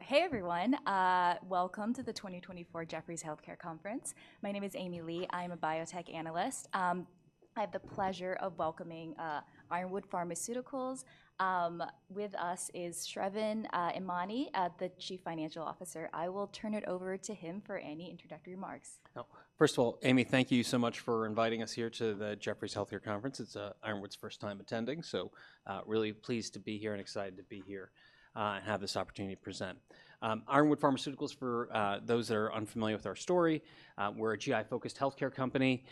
Hey, everyone. Welcome to the 2024 Jefferies Healthcare Conference. My name is Amy Li. I am a biotech analyst. I have the pleasure of welcoming Ironwood Pharmaceuticals. With us is Sravan Emany, the Chief Financial Officer. I will turn it over to him for any introductory remarks. First of all, Amy, thank you so much for inviting us here to the Jefferies Healthcare Conference. It's Ironwood's first time attending, so really pleased to be here and excited to be here and have this opportunity to present. Ironwood Pharmaceuticals, for those that are unfamiliar with our story, we're a GI-focused healthcare company.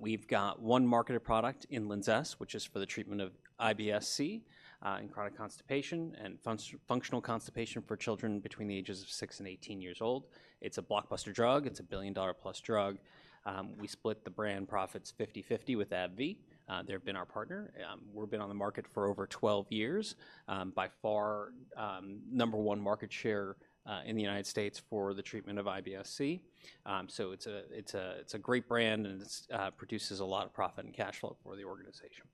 We've got one marketed product in LINZESS, which is for the treatment of IBS-C and chronic constipation, and functional constipation for children between the ages of six and 18 years old. It's a blockbuster drug. It's a billion-dollar-plus drug. We split the brand profits 50/50 with AbbVie. They have been our partner. We've been on the market for over 12 years. By far, number one market share in the United States for the treatment of IBS-C. It's a great brand, and it produces a lot of profit and cash flow for the organization.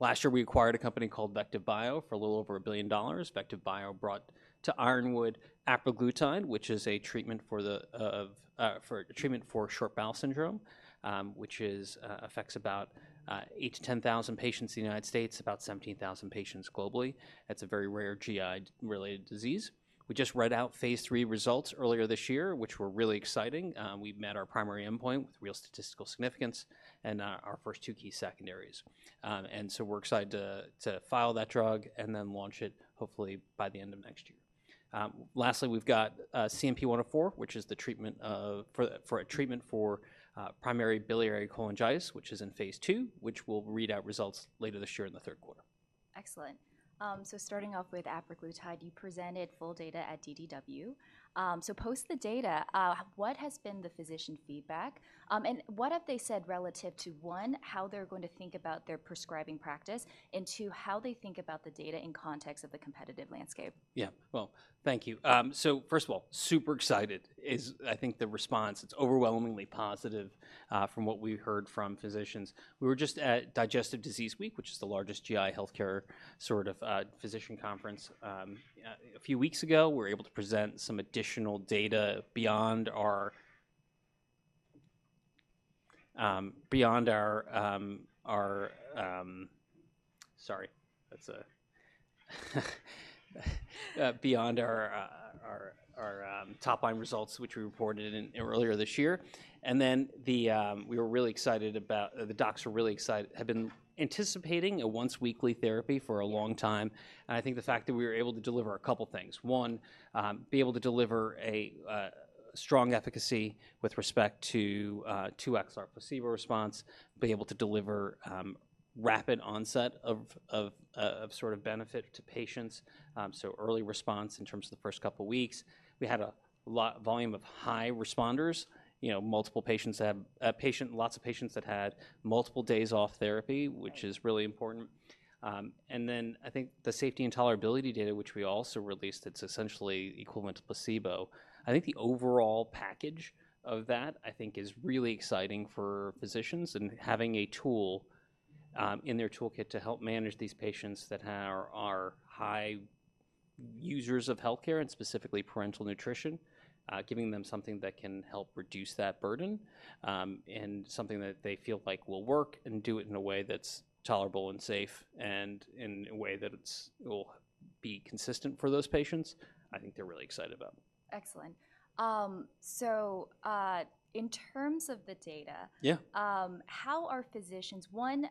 Last year, we acquired a company called VectivBio for a little over $1 billion. VectivBio brought to Ironwood apraglutide, which is a treatment for Short Bowel Syndrome, which affects about 8,000-10,000 patients in the United States, about 17,000 patients globally. It's a very rare GI-related disease. We just read out phase III results earlier this year, which were really exciting. We've met our primary endpoint with real statistical significance, and our first two key secondaries. We're excited to file that drug, and then launch it hopefully by the end of next year. Lastly, we've got CNP-104, which is a treatment for primary biliary cholangitis, which is in phase II, which we'll read out results later this year in the third quarter. Excellent. Starting off with apraglutide, you presented full data at DDW. Post the data, what has been the physician's feedback? What have they said relative to, one, how they're going to think about their prescribing practice, and two, how they think about the data in context of the competitive landscape? Yeah. Well, thank you. First of all, super excited is I think the response. It's overwhelmingly positive from what we heard from physicians. We were just at Digestive Disease Week, which is the largest GI healthcare sort of physician conference. A few weeks ago, we were able to present some additional data beyond our top-line results which we reported earlier this year. Then the docs have been anticipating a once-weekly therapy for a long time, and I think the fact that we were able to deliver a couple things, one, be able to deliver a strong efficacy with respect to 2x our placebo response, be able to deliver rapid onset of sort of benefit to patients, so early response in terms of the first couple weeks. We had a lot of volume of high responders, you know, lots of patients that had multiple days off therapy, which is really important. Then I think the safety and tolerability data, which we also released, it's essentially equivalent to placebo. I think the overall package of that, I think is really exciting for physicians and having a tool in their toolkit to help manage these patients that are high users of healthcare and specifically parenteral nutrition. Giving them something that can help reduce that burden, and something that they feel like will work and do it in a way that's tolerable and safe, and in a way that will be consistent for those patients, I think they're really excited about. Excellent. In terms of the data, one,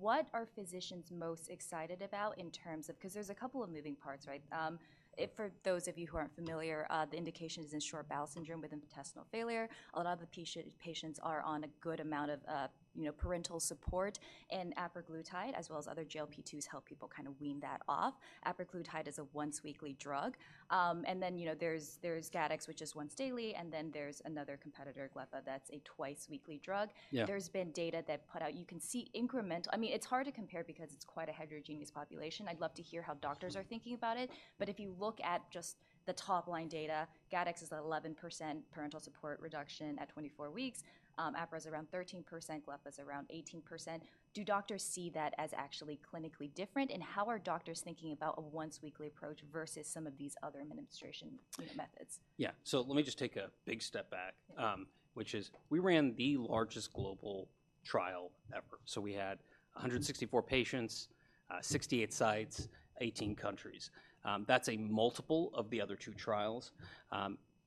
what are physicians most excited about? Because there's a couple of moving parts, right? For those of you who aren't familiar, the indication is in short bowel syndrome with intestinal failure. A lot of the patients are on a good amount of, you know, parenteral support, and apraglutide, as well as other GLP-2's help people kind of wean that off. Apraglutide is a once-weekly drug. Then, you know, there's Gattex, which is once daily, and then there's another competitor, Glempa, that's a twice-weekly drug. Yeah. There's been data that's put out. I mean, it's hard to compare because it's quite a heterogeneous population. I'd love to hear how doctors are thinking about it. If you look at just the top-line data, Gattex is 11% parenteral support reduction at 24 weeks. Apra is around 13%. Glempa is around 18%. Do doctors see that as actually clinically different, and how are doctors thinking about a once weekly approach versus some of these other administration methods? Yeah. Let me just take a big step back, which is, we ran the largest global trial ever, so we had 164 patients, 68 sites, 18 countries. That's a multiple of the other two trials.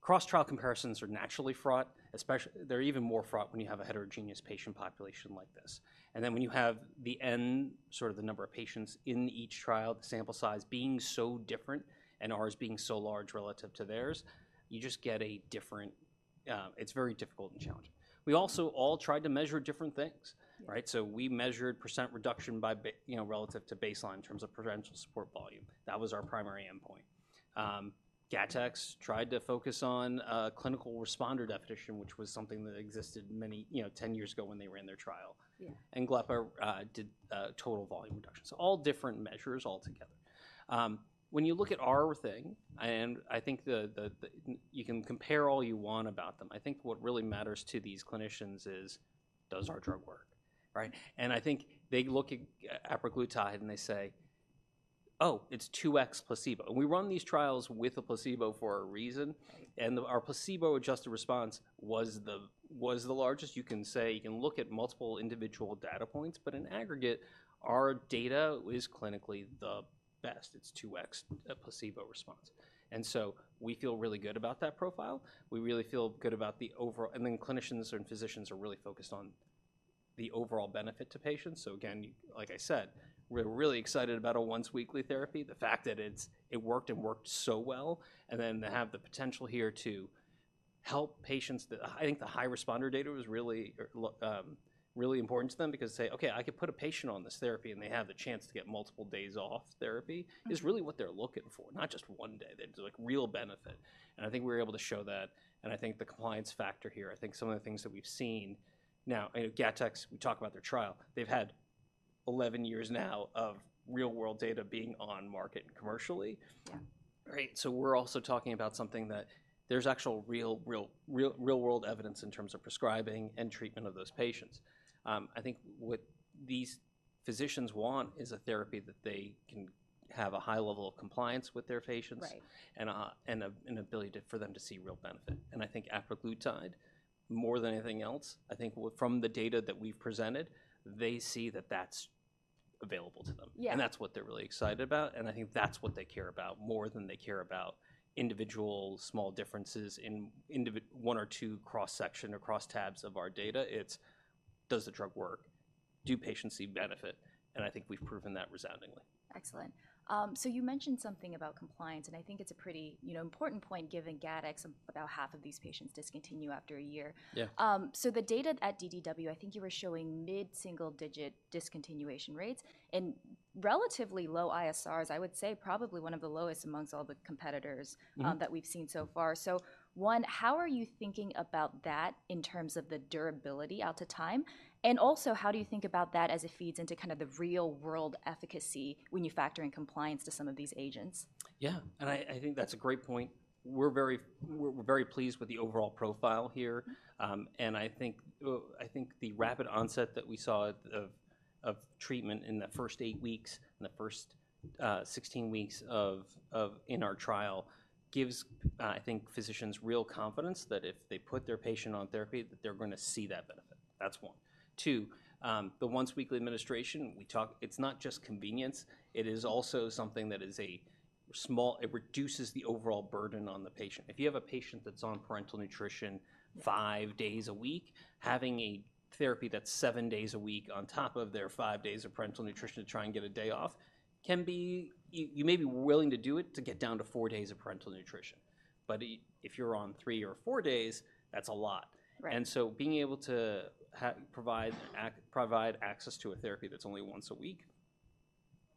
Cross-trial comparisons are naturally fraught, especially they're even more fraught when you have a heterogeneous patient population like this. Then when you have the N, sort of the number of patients in each trial, the sample size being so different and ours being so large relative to theirs, it's very difficult and challenging. We also all tried to measure different things, right? Yeah. We measured percent reduction you know, relative to baseline in terms of parenteral support volume. That was our primary endpoint. Gattex tried to focus on clinical responder definition, which was something that existed, you know, 10 years ago when they ran their trial. Yeah. Glempa did total volume reduction, so all different measures altogether. When you look at our thing, and I think you can compare all you want about them, I think what really matters to these clinicians is, does our drug work, right? I think they look at apraglutide, and they say, "Oh, it's 2x placebo." We run these trials with a placebo for a reason, and our placebo-adjusted response was the largest you can say. You can look at multiple individual data points, but in aggregate, our data is clinically the best. It's 2x placebo response. We feel really good about that profile. We really feel good about the overall, and then clinicians and physicians are really focused on the overall benefit to patients. Again, like I said, we're really excited about a once-weekly therapy. The fact that it worked and worked so well, and then I think the high responder data was really, really important to them because they say, "Okay, I could put a patient on this therapy and they have the chance to get multiple days off therapy," is really what they're looking for, not just one day. There's like real benefit, and I think we were able to show that and I think the client's factor here. Now, I know Gattex, we talked about their trial, they've had 11 years now of real-world data being on market commercially. Yeah. Right. We're also talking about something that there's actual real-world evidence in terms of prescribing and treatment of those patients. I think what these physicians want is a therapy that they can have a high level of compliance with their patients, and an ability for them to see real benefit. I think apraglutide, more than anything else, I think from the data that we've presented, they see that that's available to them. Yeah. That's what they're really excited about, and I think that's what they care about more than they care about individual small differences in one or two cross-section or cross-tabs of our data. It's does the drug work? Do patients see benefit? I think we've proven that resoundingly. Excellent. You mentioned something about compliance, and I think it's a pretty, you know, important point, given Gattex, about half of these patients discontinue after a year. Yeah. The data at DDW, I think you were showing mid-single-digit discontinuation rates and relatively low ISRs. I would say probably one of the lowest among all the competitors that we've seen so far. One, how are you thinking about that in terms of the durability out to time? Also, how do you think about that as it feeds into kind of the real-world efficacy when you factor in compliance to some of these agents? Yeah, and I think that's a great point. We're very pleased with the overall profile here. I think the rapid onset that we saw of treatment in the first 8 weeks, in the first 16 weeks of our trial, gives I think physicians real confidence that if they put their patient on therapy, that they're going to see that benefit. That's one. Two, the once-weekly administration, it's not just convenience. It is also something that is small, it reduces the overall burden on the patient. If you have a patient that's on parenteral nutrition 5 days a week, having a therapy that's 7 days a week on top of their 5 days of parenteral nutrition to try and get a day off, you may be willing to do it to get down to 4 days of parenteral nutrition. If you're on 3 or 4 days, that's a lot. Right. Being able to provide access to a therapy that's only once a week,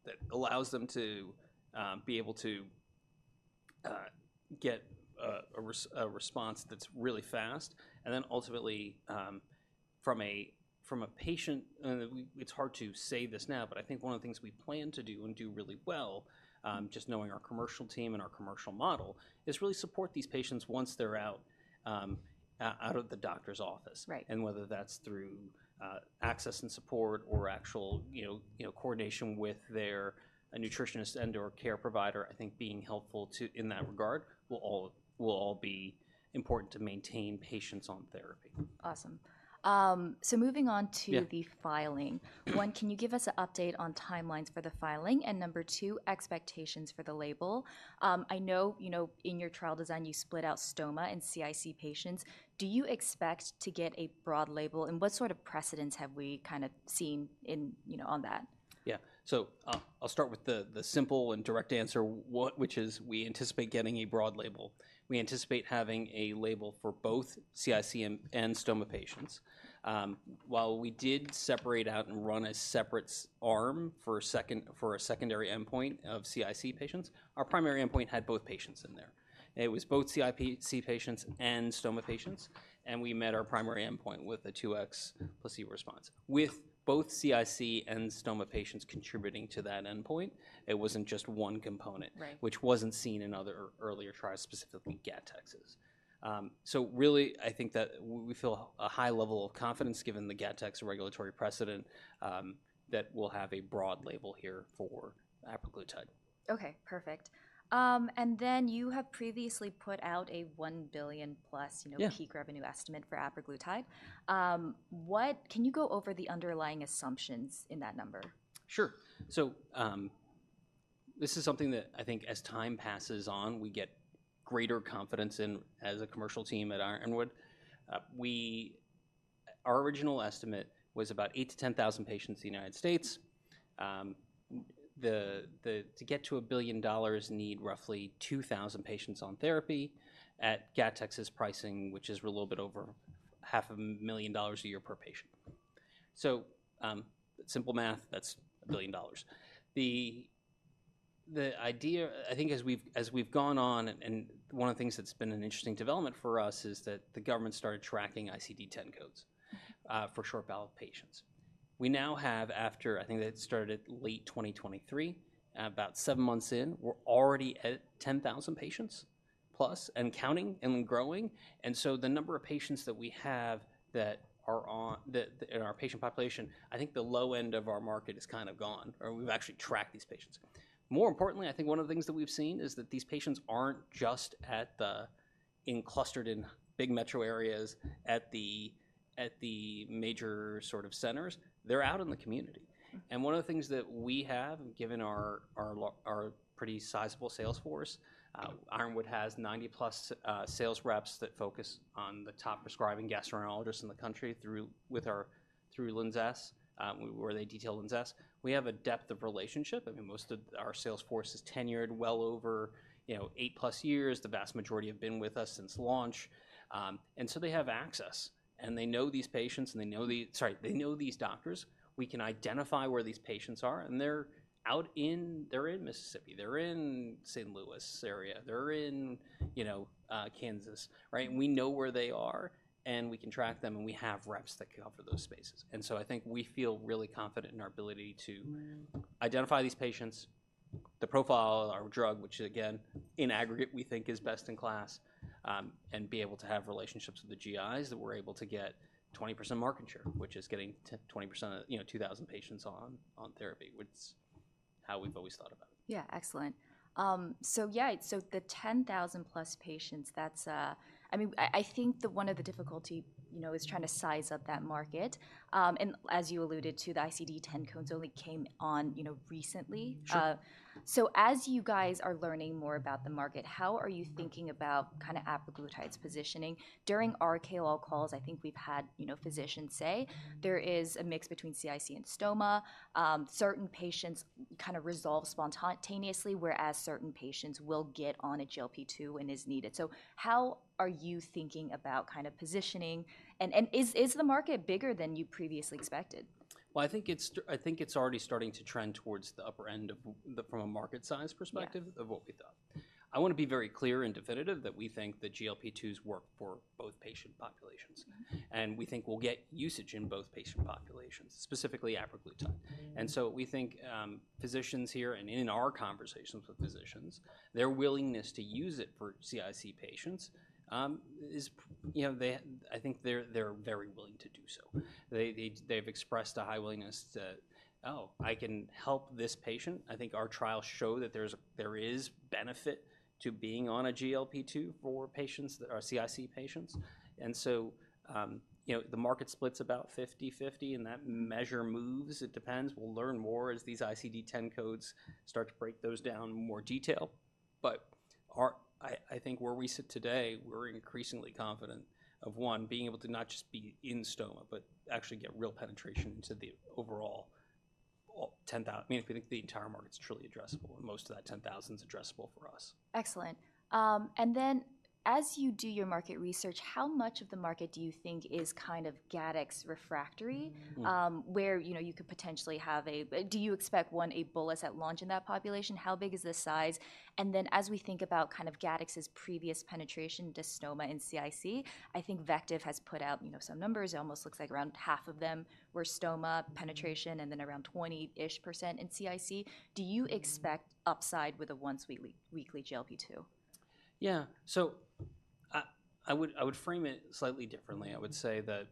that allows them to be able to get a response that's really fast. Then ultimately, it's hard to say this now, but I think one of the things we plan to do and do really well, just knowing our commercial team and our commercial model, is really support these patients once they're out of the doctor's office. Right. Whether that's through access and support or actual, you know, coordination with their nutritionist and/or care provider, I think being helpful in that regard will all be important to maintain patients on therapy. Awesome. Moving on to the filing, one, can you give us an update on timelines for the filing? Number two, expectations for the label. I know, you know, in your trial design, you split out stoma and CIC patients. Do you expect to get a broad label, and what sort of precedents have we kind of seen, you know, on that? Yeah. I'll start with the simple and direct answer, which is, we anticipate getting a broad label. We anticipate having a label for both CIC and stoma patients. While we did separate out and run a separate arm for a secondary endpoint of CIC patients, our primary endpoint had both patients in there. It was both CIC patients and stoma patients, and we met our primary endpoint with a 2x placebo response. With both CIC and stoma patients contributing to that endpoint, it wasn't just one component, which wasn't seen in other earlier trials, specifically Gattex's. Really, I think that we feel a high level of confidence, given the Gattex regulatory precedent, that we'll have a broad label here for apraglutide. Okay, perfect. Then you have previously put out a $1 billion + peak revenue estimate for apraglutide. Can you go over the underlying assumptions in that number? Sure. This is something that I think as time passes on, we get greater confidence in as a commercial team at Ironwood. Our original estimate was about 8,000-10,000 patients in the United States. To get to $1 billion, need roughly 2,000 patients on therapy at Gattex's pricing, which is a little bit over $500,000 a year per patient. Simple math, that's $1 billion. The idea, I think as we've gone on, and one of the things that's been an interesting development for us, is that the government started tracking ICD-10 codes for short bowel patients. We now have, after I think that started late 2023, about seven months in, we're already at 10,000 patients plus and counting, and we're growing. The number of patients that we have in our patient population, I think the low end of our market is kind of gone or we've actually tracked these patients. More importantly, I think one of the things that we've seen is that these patients aren't just in clustered in big metro areas at the major sort of centers, they're out in the community. One of the things that we have, and given our our pretty sizable sales force, Ironwood has 90+ sales reps that focus on the top prescribing gastroenterologists in the country, through LINZESS, where they detail LINZESS. We have a depth of relationship. I mean, most of our sales force is tenured well over, you know, 8+ years. The vast majority have been with us since launch. They have access, and they know these doctors. We can identify where these patients are, and they're in Mississippi, they're in St. Louis area, they're in, you know, Kansas, right? We know where they are, and we can track them and we have reps that cover those spaces. I think we feel really confident in our ability to identify these patients, the profile of our drug, which again in aggregate, we think is best in class and be able to have relationships with the GIs, that we're able to get 20% market share, which is getting 20% of, you know, 2,000 patients on therapy, which is how we've always thought about it. Yeah, excellent. Yeah, so the 10,000+ patients, that's I think one of the difficulty, you know, is trying to size up that market. As you alluded to, the ICD-10 codes only came on, you know, recently. Sure. As you guys are learning more about the market, how are you thinking about kind of apraglutide positioning? During our KOL calls, I think we've had, you know, physicians say, "There is a mix between CIC and stoma. Certain patients kind of resolve spontaneously, whereas certain patients will get on a GLP-2 and is needed." How are you thinking about kind of positioning, and is the market bigger than you previously expected? Well, I think it's already starting to trend towards the upper end from a market size perspective, of what we thought. I want to be very clear and definitive, that we think the GLP-2s work for both patient populations. We think we'll get usage in both patient populations, specifically apraglutide. We think physicians here and in our conversations with physicians, their willingness to use it for CIC patients, you know, I think they're very willing to do so. They've expressed a high willingness that, "Oh, I can help this patient." I think our trials show that there is benefit to being on a GLP-2 for patients or CIC patients, and so, you know, the market splits about 50/50 and that measure moves. It depends. We'll learn more as these ICD-10 codes start to break those down in more detail. I think where we sit today, we're increasingly confident of, one, being able to not just be in stoma, but actually get real penetration into the overall 10,000, I mean, we think the entire market is truly addressable and most of that 10,000 is addressable for us. Excellent. Then as you do your market research, how much of the market do you think is kind of Gattex refractory? Do you expect, one, a bolus at launch in that population? How big is the size? Then, as we think about kind of Gattex's previous penetration to stoma and CIC, I think Vectiv has put out, you know, some numbers. It almost looks like around half of them were stoma penetration, and then around 20-ish% in CIC. Do you expect upside with a once-weekly GLP-2? Yeah, so I would frame it slightly differently. I would say that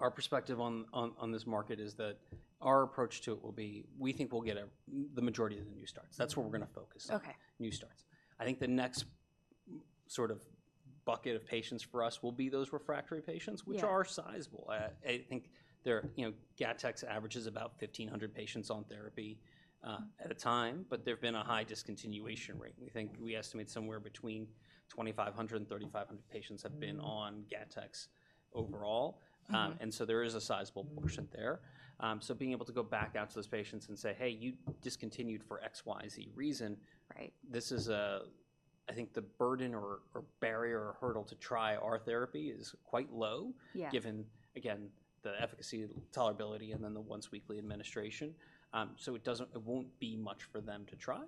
our perspective on this market is that our approach to it will be, we think we'll get the majority of the new starts. That's where we're going to focus, new starts. I think the next sort of bucket of patients for us will be those refractory patients, which are sizable. I think their, you know, Gattex average is about 1,500 patients on therapy at a time, but there's been a high discontinuation rate. We think, we estimate somewhere between 2,500 and 3,500 patients have been on Gattex overall. There is a sizable portion there. Being able to go back out to those patients and say, "Hey, you discontinued for X, Y, Z reason," this is a, I think the burden or barrier or hurdle to try our therapy is quite low, given again the efficacy, tolerability, and then the once-weekly administration. It won't be much for them to try.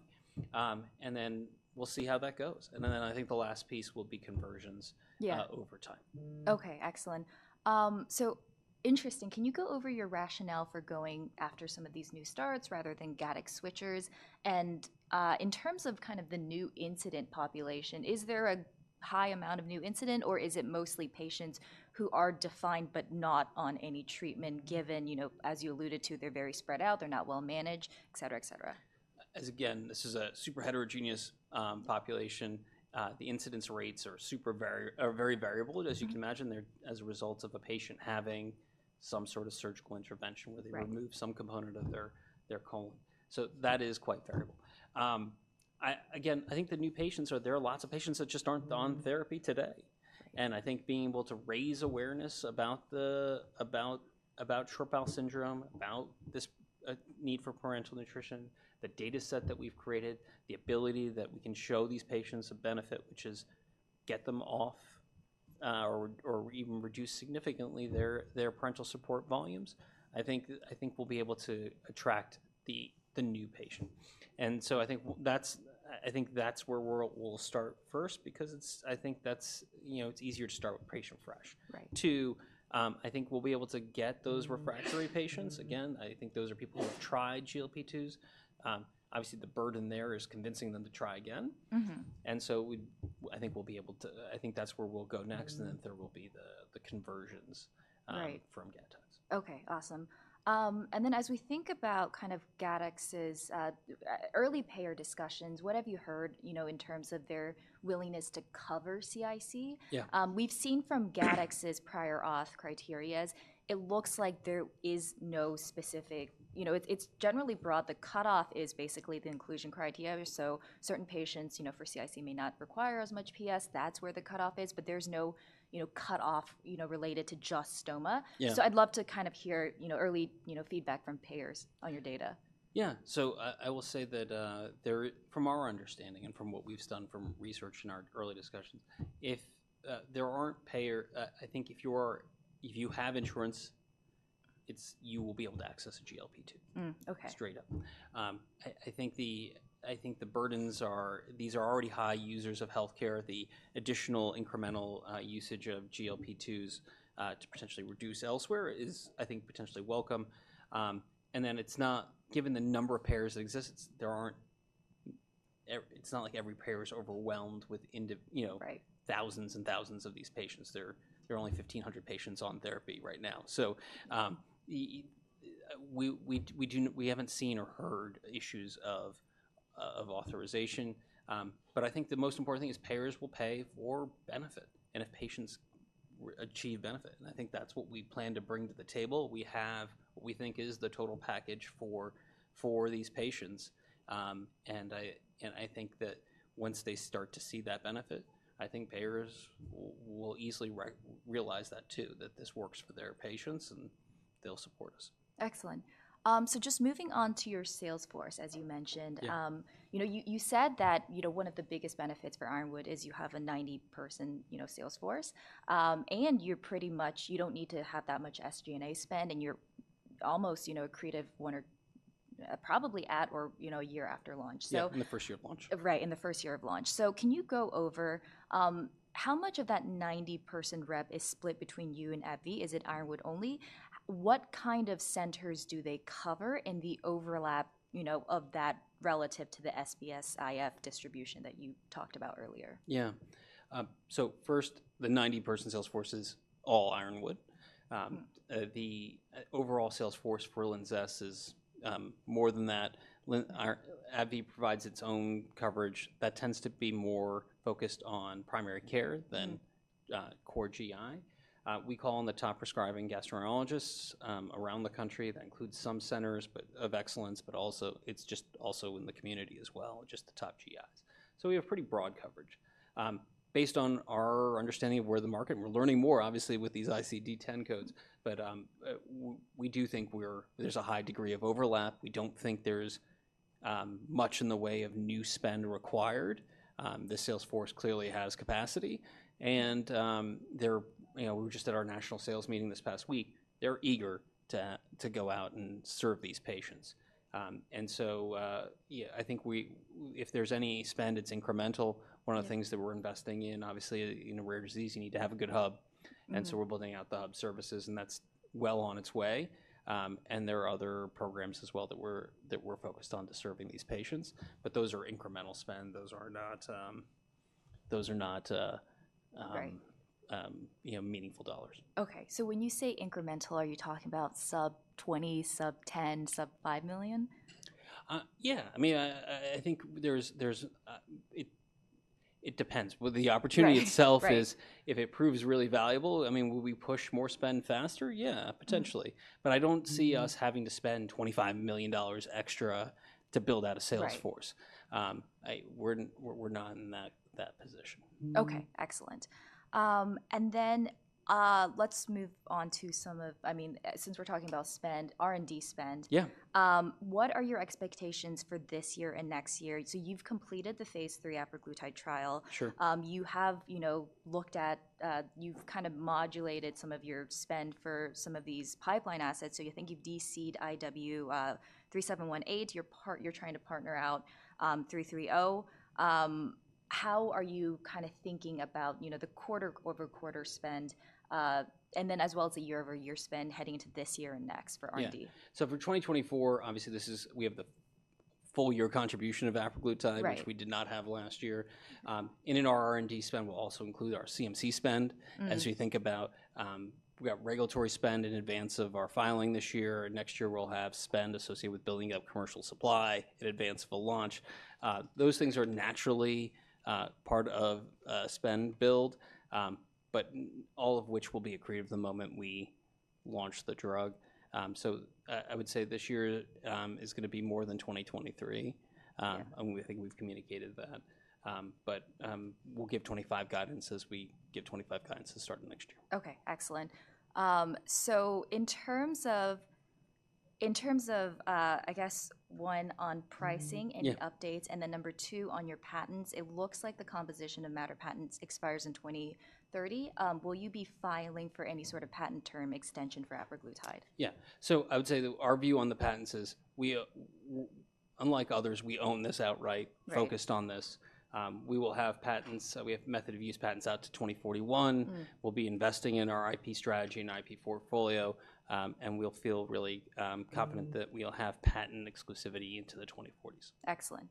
Then we'll see how that goes, and then I think the last piece will be conversions over time. Okay, excellent. Interesting, can you go over your rationale for going after some of these new starts rather than Gattex switchers? In terms of kind of the new incident population, is there a high amount of new incident or is it mostly patients who are defined, but not on any treatment, given, you know, as you alluded to, they're very spread out, they're not well managed, etc? Again, this is a super heterogeneous population. The incidence rates are very variable. As you can imagine, they're as a result of a patient having some sort of surgical intervention, where they remove some component of their colon. That is quite variable. Again, I think there are lots of patients that just aren't on therapy today. I think being able to raise awareness about the short bowel syndrome, about this need for parenteral nutrition, the dataset that we've created, the ability that we can show these patients a benefit, which is get them off or even reduce significantly their parenteral support volumes, I think we'll be able to attract the new patient. I think that's where we'll start first because I think, you know, it's easier to start with patient afresh. Right. Two, I think we'll be able to get those refractory patients. Again, I think those are people who have tried GLP-2s. Obviously, the burden there is convincing them to try again. I think that's where we'll go next, and then there will be the conversions from Gattex. Okay, awesome. Then as we think about kind of Gattex's early payer discussions, what have you heard, you know, in terms of their willingness to cover CIC? Yeah. We've seen from Gattex's prior auth criteria, it looks like it's generally broad. The cutoff is basically the inclusion criteria, so certain patients, you know, for CIC may not require as much PS. That's where the cutoff is, but there's no, you know, cutoff, you know, related to just stoma. Yeah. I'd love to kind of hear, you know, early, you know, feedback from payers on your data. Yeah. I will say that from our understanding and from what we've done from research and our early discussions, I think if you have insurance, you will be able to access a GLP-2 straight up. I think the burdens are, these are already high users of healthcare. The additional incremental usage of GLP-2s to potentially reduce elsewhere is I think potentially welcome. Then given the number of payers that exist, it's not like every payer is overwhelmed, thousands and thousands of these patients. There are only 1,500 patients on therapy right now, so we haven't seen or heard issues of authorization. I think the most important thing is payers will pay for benefit and if patients achieve benefit, and I think that's what we plan to bring to the table. We have what we think is the total package for these patients. I think that once they start to see that benefit, I think payers will easily realize that too, that this works for their patients, and they'll support us. Excellent. Just moving on to your sales force, as you mentioned, you know, you said that, you know, one of the biggest benefits for Ironwood is you have a 90-person, you know, sales force. You don't need to have that much SG&A spend, and you're almost, you know, accretive one or probably at or you know, a year after launch. Yeah, in the first year of launch. Right, in the first year of launch. Can you go over, how much of that 90-person rep is split between you and AbbVie? Is it Ironwood only? What kind of centers do they cover, and the overlap, you know, of that relative to the SBS-IF distribution that you talked about earlier? Yeah. First, the 90-person sales force is all Ironwood. The overall sales force for LINZESS is more than that. AbbVie provides its own coverage that tends to be more focused on primary care than core GI. We call on the top prescribing gastroenterologists around the country. That includes some centers of excellence, but also it's just also in the community as well, just the top GIs. We have pretty broad coverage, based on our understanding of the market. We're learning more obviously with these ICD-10 codes, but we do think there's a high degree of overlap. We don't think there's much in the way of new spend required. The sales force clearly has capacity, and you know, we were just at our national sales meeting this past week. They're eager to go out and serve these patients. Yeah, I think if there's any spend, it's incremental. Yeah. One of the things that we're investing in, obviously in a rare disease, you need to have a good hub. We're building out the hub services, and that's well on its way. There are other programs as well that we're focused on to serving these patients, but those are incremental spend. Those are not, you know, meaningful dollars. Okay. When you say incremental, are you talking about sub-$20 million, sub-$10 million, sub-$5 million? Yeah. I mean, I think it depends. Well, the opportunity itself is, if it proves really valuable, I mean, will we push more spend faster? Yeah, potentially, but I don't see us having to spend $25 million extra to build out a sales force. Right. We're not in that position. Okay, excellent. Then let's move on. I mean, since we're talking about spend, R&D spend, what are your expectations for this year and next year? You've completed the phase III apraglutide trial. Sure. You have, you know, looked at, you've kind of modulated some of your spend for some of these pipeline assets. You think you've de-seeded IW-3718. You're trying to partner out 330. How are you kind of thinking about, you know, the quarter-over-quarter spend, and then as well as the year-over-year spend heading into this year and next for R&D? Yeah. For 2024, obviously we have the full year contribution of apraglutide, which we did not have last year. In our R&D spend, we'll also include our CMC spend. As we think about, we've got regulatory spend in advance of our filing this year, and next year we'll have spend associated with building up commercial supply in advance of a launch. Those things are naturally part of spend build, but all of which will be accretive the moment we launch the drug. I would say this year is going to be more than 2023. Yeah. We think we've communicated that. We'll give 2025 guidance as we give 2025 guidance starting next year. Okay, excellent. In terms of, I guess, one, on pricing, any updates, and then number 2, on your patents, it looks like the composition of matter patents expires in 2030. Will you be filing for any sort of patent term extension for apraglutide? Yeah. I would say that our view on the patents is unlike others, we own this outright focused on this. We will have patents. We have method of use patents out to 2041. We'll be investing in our IP strategy and IP portfolio, and we'll feel really confident that we'll have patent exclusivity into the 2040s. Excellent.